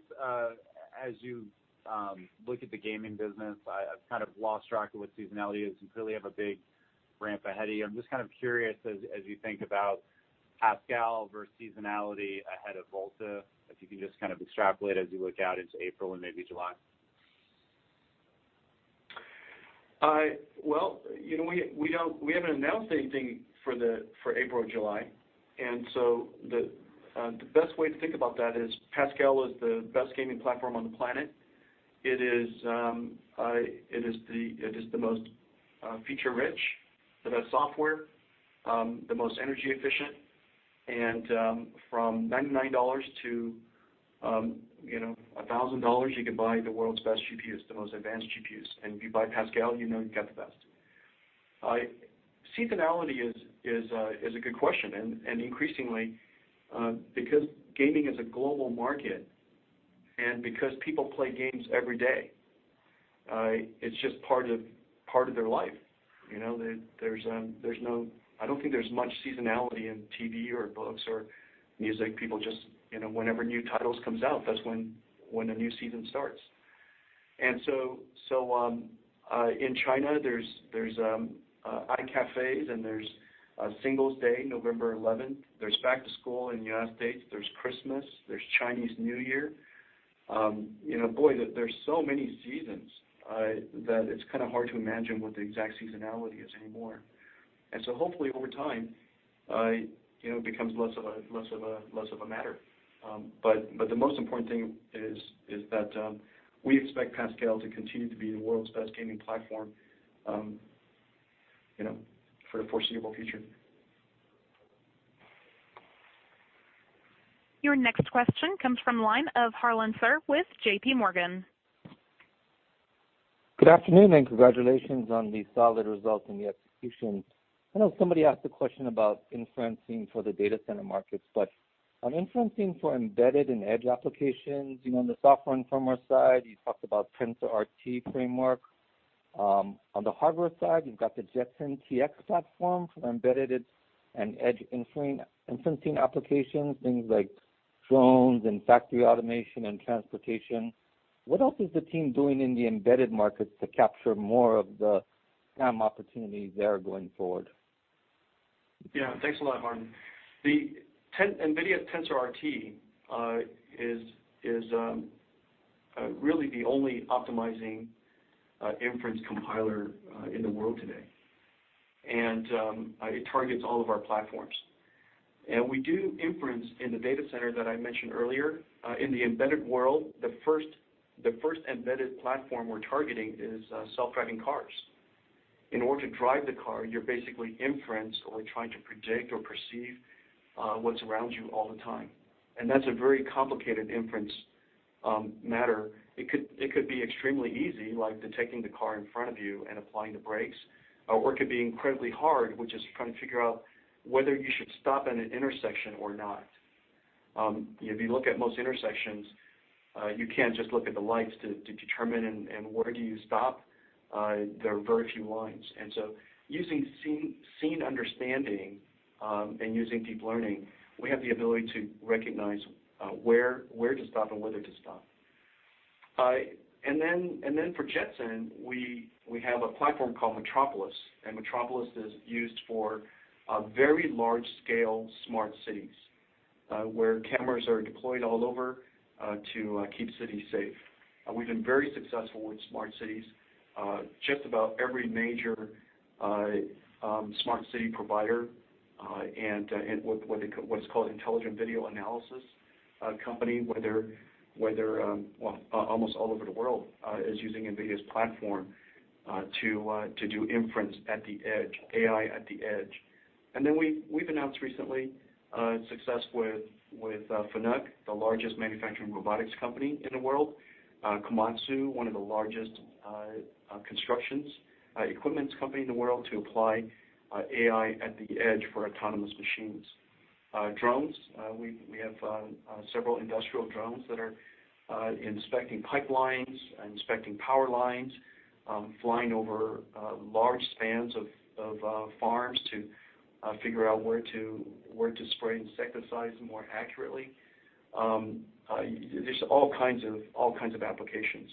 as you look at the gaming business, I've kind of lost track of what seasonality is. You clearly have a big ramp ahead of you. I'm just kind of curious, as you think about Pascal versus seasonality ahead of Volta, if you can just kind of extrapolate as you look out into April and maybe July. Well, we haven't announced anything for April or July. The best way to think about that is Pascal is the best gaming platform on the planet. It is the most feature-rich, the best software, the most energy efficient. From $99 to $1,000, you can buy the world's best GPUs, the most advanced GPUs. If you buy Pascal, you know you've got the best. Seasonality is a good question. Increasingly, because gaming is a global market, and because people play games every day, it's just part of their life. I don't think there's much seasonality in TV or books or music. People just, whenever new titles comes out, that's when a new season starts. In China, there's iCafes and there's Singles' Day, November 11th. There's back to school in the U.S. There's Christmas. There's Chinese New Year. Boy, there's so many seasons that it's kind of hard to imagine what the exact seasonality is anymore. Hopefully over time, it becomes less of a matter. The most important thing is that we expect Pascal to continue to be the world's best gaming platform for the foreseeable future. Your next question comes from the line of Harlan Sur with J.P. Morgan. Good afternoon, and congratulations on the solid results and the execution. I know somebody asked a question about inferencing for the data center markets, but on inferencing for embedded and edge applications, on the software and firmware side, you talked about TensorRT framework. On the hardware side, you've got the Jetson TX2 platform for embedded and edge inferencing applications, things like drones and factory automation and transportation. What else is the team doing in the embedded markets to capture more of the TAM opportunities there going forward? Thanks a lot, Harlan. The NVIDIA TensorRT is really the only optimizing inference compiler in the world today, and it targets all of our platforms. We do inference in the data center that I mentioned earlier. In the embedded world, the first embedded platform we're targeting is self-driving cars. In order to drive the car, you're basically inference or trying to predict or perceive what's around you all the time. That's a very complicated inference matter. It could be extremely easy, like detecting the car in front of you and applying the brakes, or it could be incredibly hard, which is trying to figure out whether you should stop at an intersection or not. If you look at most intersections, you can't just look at the lights to determine in order you stop. There are very few lines. Using scene understanding, and using deep learning, we have the ability to recognize where to stop and whether to stop. For Jetson, we have a platform called Metropolis, and Metropolis is used for very large-scale smart cities, where cameras are deployed all over to keep cities safe. We've been very successful with smart cities. Just about every major smart city provider, and what is called intelligent video analysis company, whether almost all over the world, is using NVIDIA's platform to do inference at the edge, AI at the edge. We've announced recently success with FANUC, the largest manufacturing robotics company in the world, Komatsu, one of the largest constructions equipments company in the world, to apply AI at the edge for autonomous machines. Drones, we have several industrial drones that are inspecting pipelines, inspecting power lines, flying over large spans of farms to figure out where to spray insecticides more accurately. There's all kinds of applications.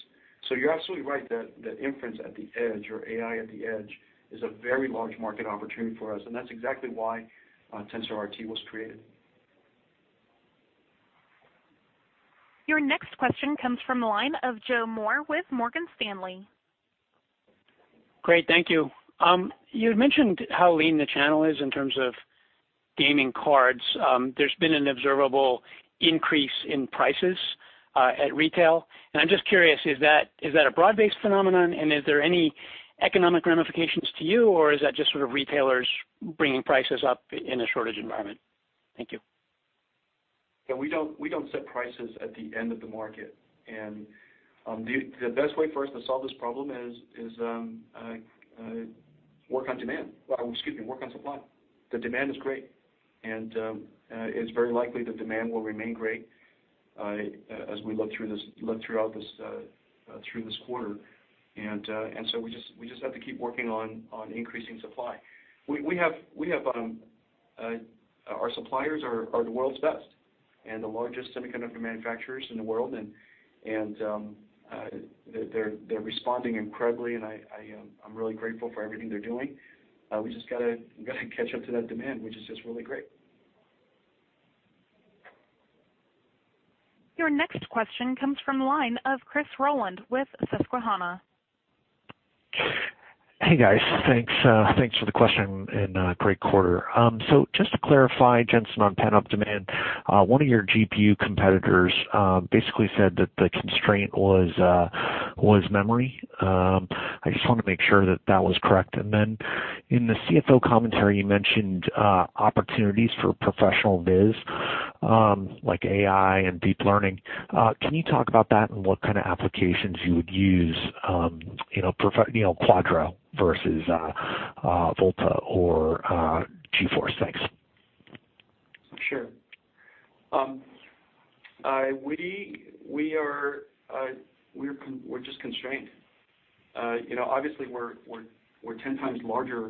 You're absolutely right that inference at the edge or AI at the edge is a very large market opportunity for us, and that's exactly why TensorRT was created. Your next question comes from the line of Joe Moore with Morgan Stanley. Great. Thank you. You had mentioned how lean the channel is in terms of gaming cards. There's been an observable increase in prices at retail. I'm just curious, is that a broad-based phenomenon, and is there any economic ramifications to you, or is that just sort of retailers bringing prices up in a shortage environment? Thank you. Yeah. We don't set prices at the end of the market. The best way for us to solve this problem is work on demand. Excuse me, work on supply. The demand is great, and it's very likely the demand will remain great as we look throughout this quarter. We just have to keep working on increasing supply. Our suppliers are the world's best and the largest semiconductor manufacturers in the world, and they're responding incredibly, and I'm really grateful for everything they're doing. We just got to catch up to that demand, which is just really great. Your next question comes from the line of Chris Rolland with Susquehanna. Hey, guys. Thanks for the question and great quarter. Just to clarify, Jensen, on pent-up demand, one of your GPU competitors basically said that the constraint was memory. I just want to make sure that that was correct. Then in the CFO commentary, you mentioned opportunities for professional biz, like AI and deep learning. Can you talk about that and what kind of applications you would use, Quadro versus Volta or GeForce? Thanks. Sure. We're just constrained. Obviously, we're 10 times larger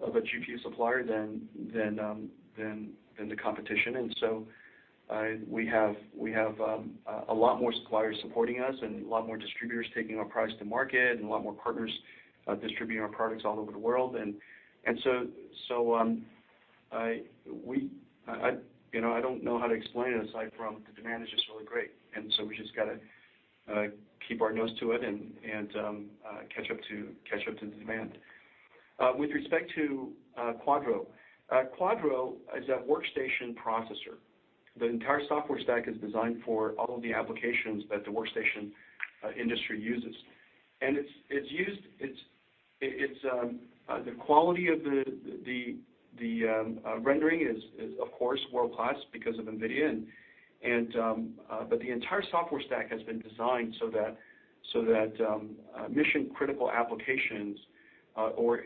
of a GPU supplier than the competition, so we have a lot more suppliers supporting us and a lot more distributors taking our price to market and a lot more partners distributing our products all over the world. So I don't know how to explain it aside from the demand is just really great. So we just got to keep our nose to it and catch up to the demand. With respect to Quadro is a workstation processor. The entire software stack is designed for all of the applications that the workstation industry uses. The quality of the rendering is, of course, world-class because of NVIDIA. The entire software stack has been designed so that mission-critical applications or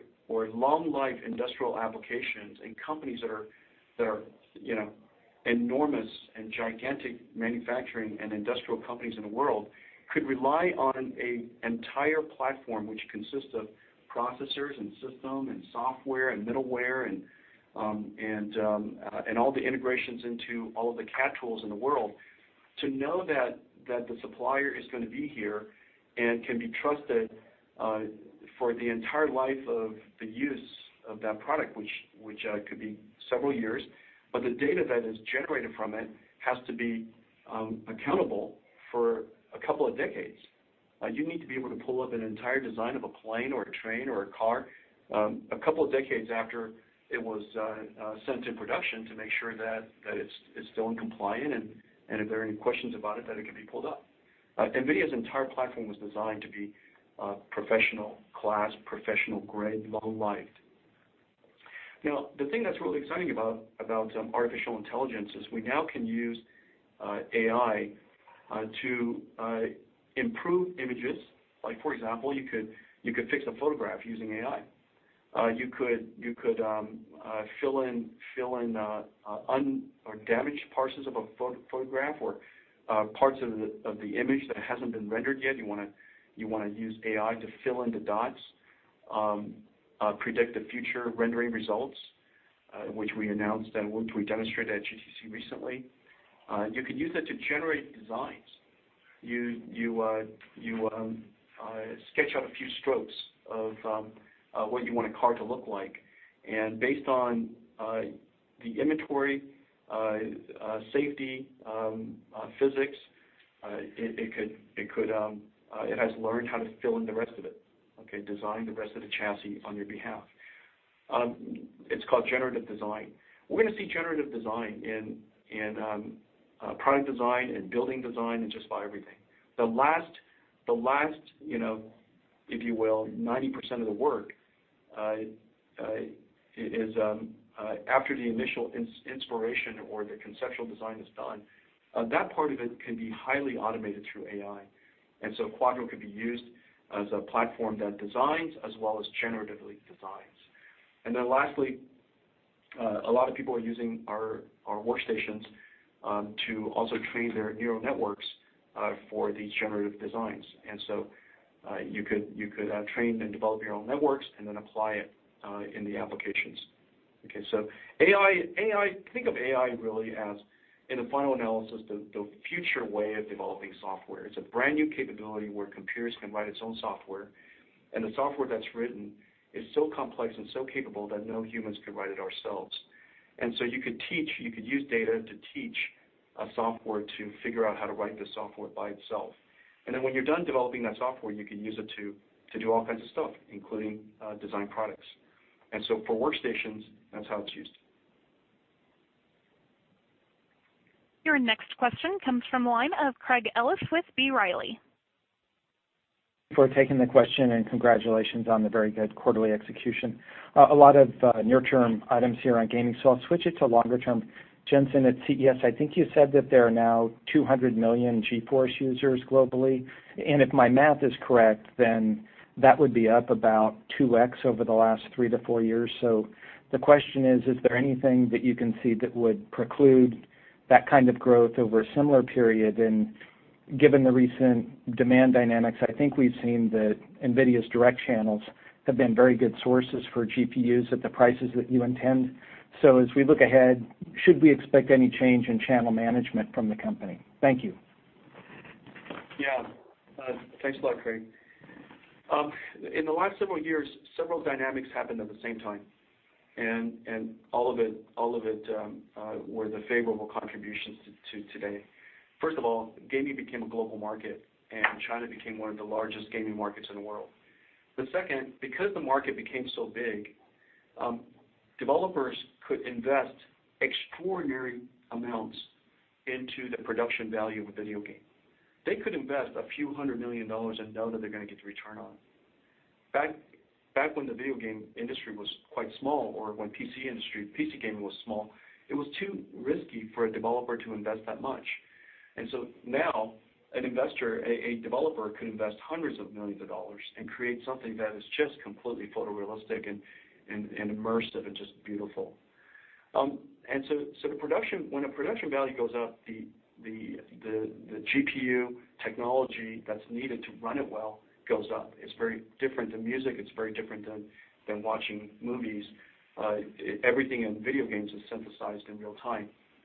long-life industrial applications in companies that are enormous and gigantic manufacturing and industrial companies in the world could rely on an entire platform which consists of processors and system and software and middleware and all the integrations into all of the CAD tools in the world to know that the supplier is going to be here and can be trusted for the entire life of the use of that product, which could be several years. The data that is generated from it has to be accountable for a couple of decades. You need to be able to pull up an entire design of a plane or a train or a car a couple of decades after it was sent to production to make sure that it's still in compliant, and if there are any questions about it, that it can be pulled up. NVIDIA's entire platform was designed to be professional class, professional grade, long life. Now, the thing that's really exciting about artificial intelligence is we now can use AI to improve images. For example, you could fix a photograph using AI. You could fill in damaged parts of a photograph or parts of the image that hasn't been rendered yet. You want to use AI to fill in the dots, predict the future rendering results, which we announced and which we demonstrated at GTC recently. You could use it to generate designs. You sketch out a few strokes of what you want a car to look like, and based on the inventory, safety, physics, it has learned how to fill in the rest of it, design the rest of the chassis on your behalf. It's called generative design. We're going to see generative design in product design and building design and just about everything. The last, if you will, 90% of the work is after the initial inspiration or the conceptual design is done. That part of it can be highly automated through AI. Quadro can be used as a platform that designs as well as generatively designs. Lastly, a lot of people are using our workstations to also train their neural networks for these generative designs. You could train and develop your own networks and then apply it in the applications. Okay, think of AI really as in the final analysis, the future way of developing software. It's a brand new capability where computers can write its own software, and the software that's written is so complex and so capable that no humans could write it ourselves. You could use data to teach a software to figure out how to write the software by itself. When you're done developing that software, you can use it to do all kinds of stuff, including design products. For workstations, that's how it's used. Your next question comes from the line of Craig Ellis with B. Riley. For taking the question. Congratulations on the very good quarterly execution. A lot of near-term items here on gaming, I'll switch it to longer term. Jensen, at CES, I think you said that there are now 200 million GeForce users globally, if my math is correct, that would be up about 2x over the last three to four years. The question is: Is there anything that you can see that would preclude that kind of growth over a similar period? Given the recent demand dynamics, I think we've seen that NVIDIA's direct channels have been very good sources for GPUs at the prices that you intend. As we look ahead, should we expect any change in channel management from the company? Thank you. Yeah. Thanks a lot, Craig. In the last several years, several dynamics happened at the same time, all of it were the favorable contributions to today. First of all, gaming became a global market, China became one of the largest gaming markets in the world. The second, because the market became so big, developers could invest extraordinary amounts into the production value of a video game. They could invest a few hundred million dollars and know that they're going to get the return on it. Back when the video game industry was quite small or when PC gaming was small, it was too risky for a developer to invest that much. Now an investor, a developer could invest hundreds of millions of dollars and create something that is just completely photorealistic and immersive and just beautiful. When the production value goes up, the GPU technology that's needed to run it well goes up. It's very different than music. It's very different than watching movies. Everything in video games is synthesized in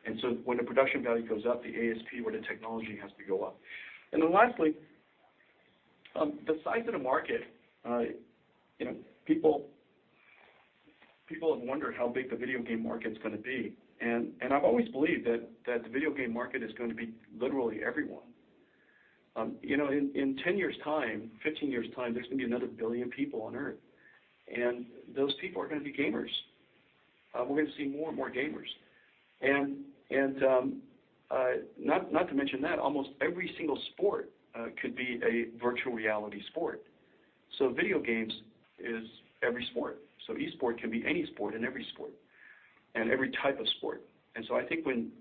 real-time. When the production value goes up, the ASP or the technology has to go up. Lastly, the size of the market. People have wondered how big the video game market's going to be, I've always believed that the video game market is going to be literally everyone. In 10 years' time, 15 years' time, there's going to be another 1 billion people on Earth, those people are going to be gamers. We're going to see more and more gamers. Not to mention that almost every single sport could be a virtual reality sport. Video games is every sport. Esport can be any sport and every sport, and every type of sport. I think when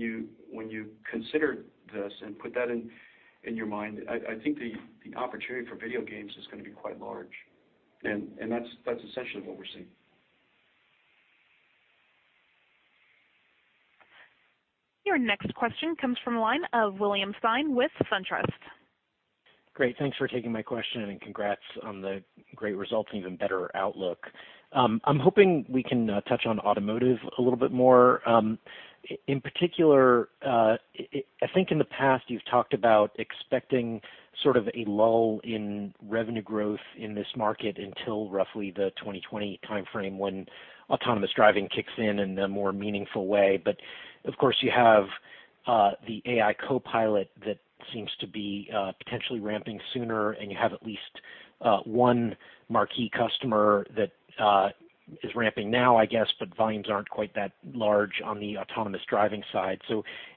you consider this and put that in your mind, I think the opportunity for video games is going to be quite large. That's essentially what we're seeing. Your next question comes from the line of William Stein with SunTrust. Great. Thanks for taking my question and congrats on the great results and even better outlook. I'm hoping we can touch on automotive a little bit more. In particular, I think in the past you've talked about expecting sort of a lull in revenue growth in this market until roughly the 2020 timeframe when autonomous driving kicks in in a more meaningful way. Of course, you have the AI copilot that seems to be potentially ramping sooner, and you have at least one marquee customer that is ramping now, I guess, but volumes aren't quite that large on the autonomous driving side.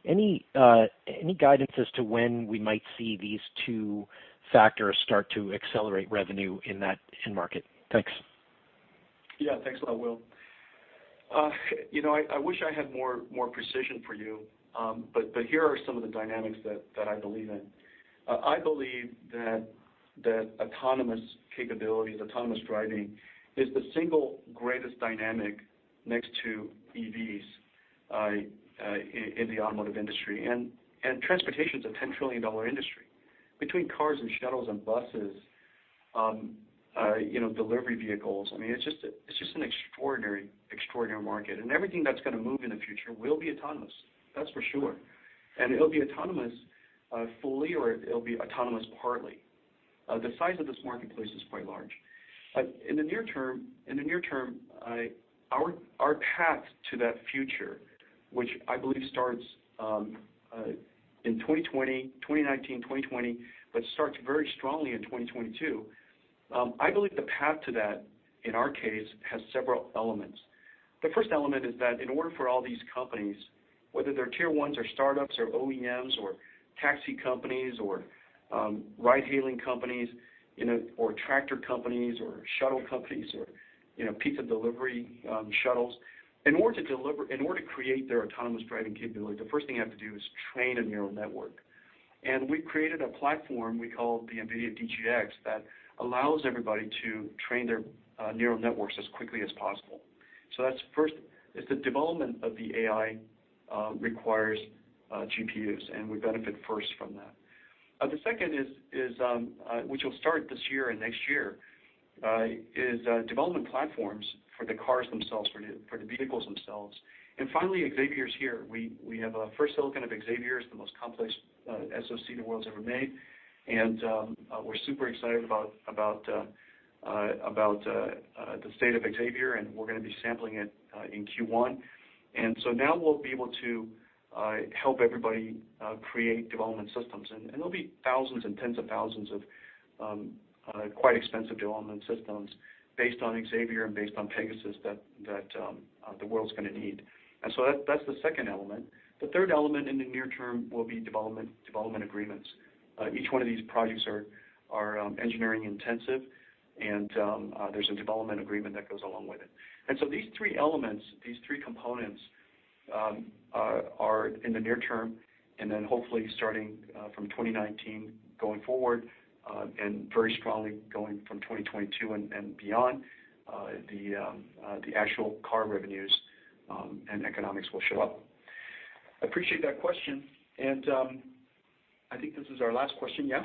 Any guidance as to when we might see these two factors start to accelerate revenue in that end market? Thanks. Yeah. Thanks a lot, Will. I wish I had more precision for you. Here are some of the dynamics that I believe in. I believe that autonomous capabilities, autonomous driving is the single greatest dynamic next to EVs in the automotive industry. Transportation's a $10 trillion industry. Between cars and shuttles and buses, delivery vehicles, it's just an extraordinary market. Everything that's going to move in the future will be autonomous, that's for sure. It'll be autonomous fully or it'll be autonomous partly. The size of this marketplace is quite large. In the near term, our path to that future, which I believe starts in 2019, 2020, but starts very strongly in 2022. I believe the path to that, in our case, has several elements. The first element is that in order for all these companies, whether they're tier ones or startups or OEMs or taxi companies or ride-hailing companies or tractor companies or shuttle companies or pizza delivery shuttles. In order to create their autonomous driving capability, the first thing you have to do is train a neural network. We've created a platform we call the NVIDIA DGX that allows everybody to train their neural networks as quickly as possible. That's first, is the development of the AI requires GPUs, and we benefit first from that. The second, which will start this year and next year, is development platforms for the cars themselves, for the vehicles themselves. Finally, Xavier's here. We have our first silicon of Xavier. It's the most complex SoC the world's ever made. We're super excited about the state of Xavier, and we're going to be sampling it in Q1. Now we'll be able to help everybody create development systems. There'll be thousands and tens of thousands of quite expensive development systems based on Xavier and based on Pegasus that the world's going to need. That's the second element. The third element in the near term will be development agreements. Each one of these projects are engineering-intensive, and there's a development agreement that goes along with it. These three elements, these three components, are in the near term, and then hopefully starting from 2019 going forward, and very strongly going from 2022 and beyond, the actual car revenues and economics will show up. I appreciate that question. I think this is our last question, yeah?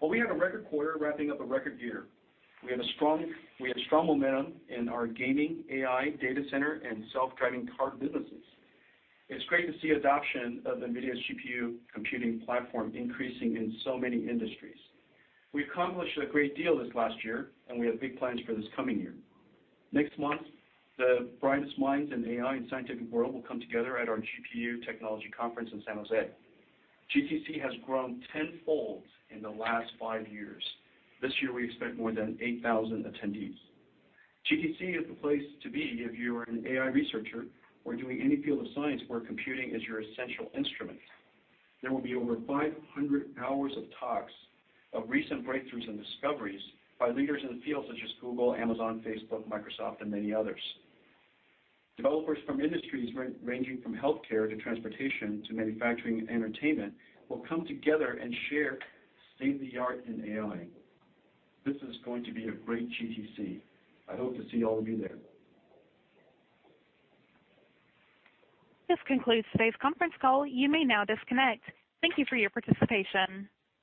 Well, we had a record quarter wrapping up a record year. We have strong momentum in our gaming, AI, data center, and self-driving car businesses. It's great to see adoption of NVIDIA's GPU computing platform increasing in so many industries. We accomplished a great deal this last year, and we have big plans for this coming year. Next month, the brightest minds in AI and scientific world will come together at our GPU Technology Conference in San Jose. GTC has grown tenfold in the last five years. This year, we expect more than 8,000 attendees. GTC is the place to be if you are an AI researcher or doing any field of science where computing is your essential instrument. There will be over 500 hours of talks of recent breakthroughs and discoveries by leaders in the field such as Google, Amazon, Facebook, Microsoft, and many others. Developers from industries ranging from healthcare to transportation to manufacturing and entertainment will come together and share state-of-the-art in AI. This is going to be a great GTC. I hope to see all of you there. This concludes today's conference call. You may now disconnect. Thank you for your participation.